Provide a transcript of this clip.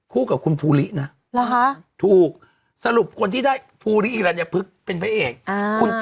กับคุณภูรินะถูกสรุปคนที่ได้ภูริอิรัญพฤกษ์เป็นพระเอก